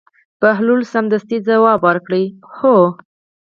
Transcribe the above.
بهلول سمدستي ځواب ورکړ: هو.